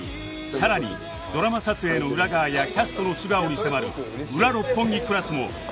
さらにドラマ撮影の裏側やキャストの素顔に迫る『ウラ六本木クラス』も独占配信中